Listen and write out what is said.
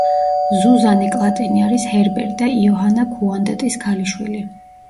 ზუზანე კლატენი არის ჰერბერტ და იოჰანა ქუანდტის ქალიშვილი.